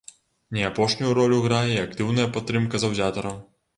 Не апошнюю ролю грае і актыўная падтрымка заўзятараў.